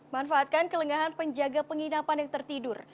manfaatkan kelengahan penjaga penginapan yang tertidur